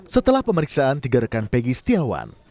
setelah pemeriksaan tiga rekan peggy setiawan